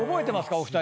お二人は。